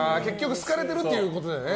好かれてるってことだよね。